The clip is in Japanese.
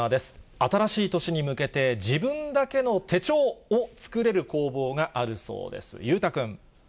新しい年に向けて、自分だけの手帳を作れる工房があるそうです、裕太君。